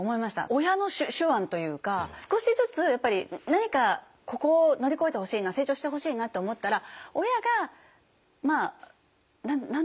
親の手腕というか少しずつ何かここを乗り越えてほしいな成長してほしいなって思ったら親が与えるって思わせないで与えて。